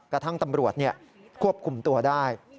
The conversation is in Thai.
กระทั่งตำรวจควบคุมตัวได้